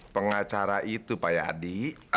pengacara itu pak yadi